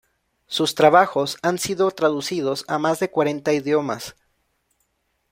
Sus trabajos han sido traducidos a más de cuarenta idiomas.